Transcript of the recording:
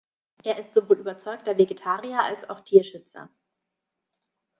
Er ist sowohl überzeugter Vegetarier als auch Tierschützer.